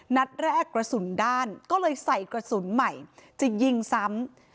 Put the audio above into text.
นัดแรกกระสุนด้านก็เลยใส่กระสุนใหม่จะยิงซ้ำ